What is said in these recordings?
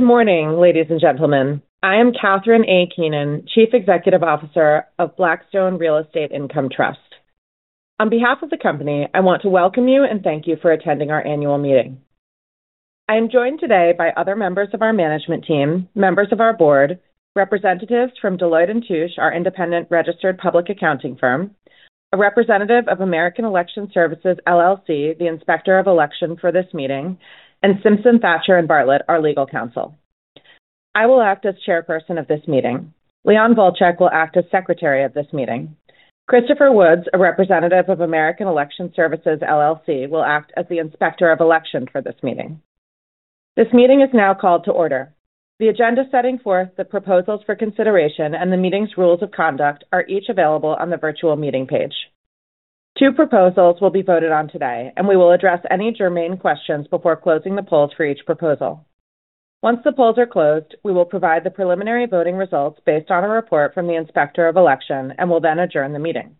Good morning, ladies and gentlemen. I am Katherine A. Keenan, Chief Executive Officer of Blackstone Real Estate Income Trust. On behalf of the company, I want to welcome you and thank you for attending our annual meeting. I am joined today by other members of our management team, members of our board, representatives from Deloitte & Touche, our independent registered public accounting firm, a representative of American Election Services, LLC, the inspector of election for this meeting, and Simpson Thacher & Bartlett, our legal counsel. I will act as chairperson of this meeting. Leon Volcheck will act as secretary of this meeting. Christopher Woods, a representative of American Election Services, LLC, will act as the inspector of election for this meeting. This meeting is now called to order. The agenda setting forth the proposals for consideration and the meeting's rules of conduct are each available on the virtual meeting page. Two proposals will be voted on today. We will address any germane questions before closing the polls for each proposal. Once the polls are closed, we will provide the preliminary voting results based on a report from the inspector of election and will then adjourn the meeting.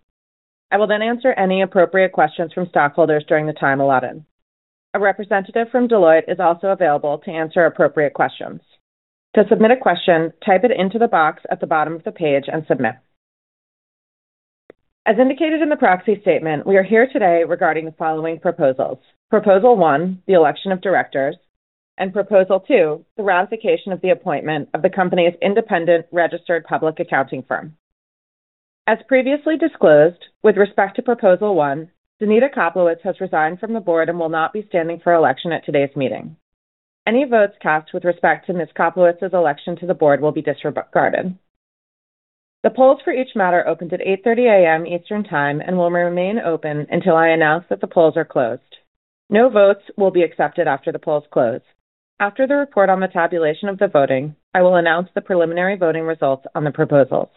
I will answer any appropriate questions from stockholders during the time allotted. A representative from Deloitte is also available to answer appropriate questions. To submit a question, type it into the box at the bottom of the page and submit. As indicated in the proxy statement, we are here today regarding the following proposals. Proposal one, the election of directors, and proposal two, the ratification of the appointment of the company's independent registered public accounting firm. As previously disclosed, with respect to proposal one, Zaneta Koplewicz has resigned from the board and will not be standing for election at today's meeting. Any votes cast with respect to Ms. Koplewicz's election to the board will be disregarded. The polls for each matter opens at 8:30 A.M. Eastern Time and will remain open until I announce that the polls are closed. No votes will be accepted after the polls close. After the report on the tabulation of the voting, I will announce the preliminary voting results on the proposals.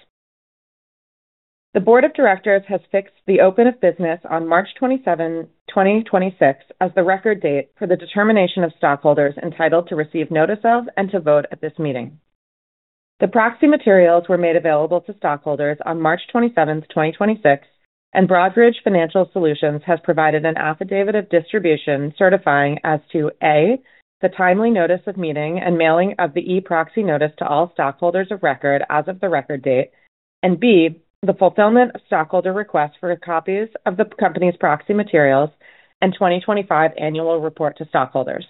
The board of directors has fixed the open of business on March 27, 2026 as the record date for the determination of stockholders entitled to receive notice of and to vote at this meeting. The proxy materials were made available to stockholders on March 27, 2026. Broadridge Financial Solutions has provided an affidavit of distribution certifying as to, A, the timely notice of meeting and mailing of the e-proxy notice to all stockholders of record as of the record date, and B, the fulfillment of stockholder requests for copies of the company's proxy materials and 2025 annual report to stockholders.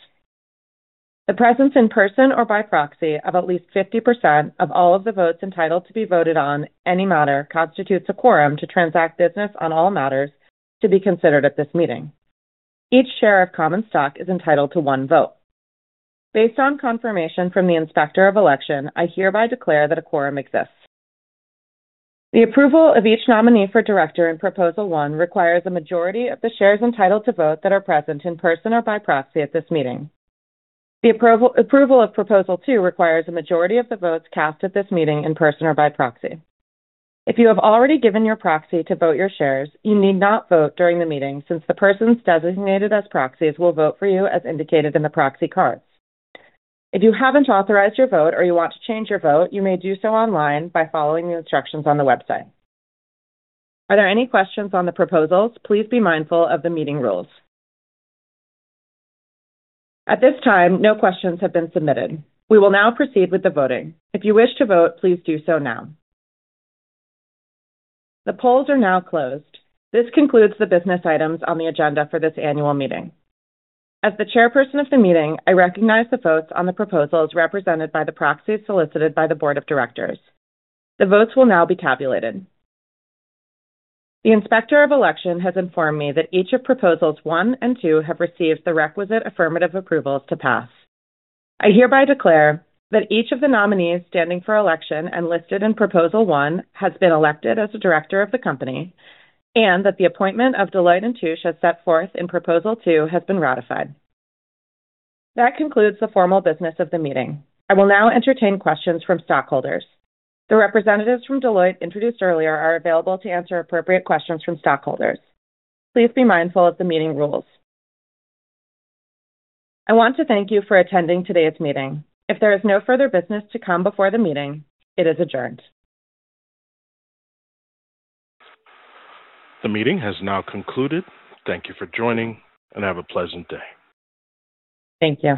The presence in person or by proxy of at least 50% of all of the votes entitled to be voted on any matter constitutes a quorum to transact business on all matters to be considered at this meeting. Each share of common stock is entitled to one vote. Based on confirmation from the inspector of election, I hereby declare that a quorum exists. The approval of each nominee for director in proposal one requires a majority of the shares entitled to vote that are present in person or by proxy at this meeting. The approval of proposal two requires a majority of the votes cast at this meeting in person or by proxy. If you have already given your proxy to vote your shares, you need not vote during the meeting since the persons designated as proxies will vote for you as indicated in the proxy cards. If you haven't authorized your vote or you want to change your vote, you may do so online by following the instructions on the website. Are there any questions on the proposals? Please be mindful of the meeting rules. At this time, no questions have been submitted. We will now proceed with the voting. If you wish to vote, please do so now. The polls are now closed. This concludes the business items on the agenda for this annual meeting. As the chairperson of the meeting, I recognize the votes on the proposals represented by the proxies solicited by the board of directors. The votes will now be tabulated. The inspector of election has informed me that each of proposals one and two have received the requisite affirmative approvals to pass. I hereby declare that each of the nominees standing for election and listed in proposal one has been elected as a director of the company and that the appointment of Deloitte & Touche as set forth in proposal two has been ratified. That concludes the formal business of the meeting. I will now entertain questions from stockholders. The representatives from Deloitte introduced earlier are available to answer appropriate questions from stockholders. Please be mindful of the meeting rules. I want to thank you for attending today's meeting. If there is no further business to come before the meeting, it is adjourned. The meeting has now concluded. Thank you for joining, and have a pleasant day. Thank you.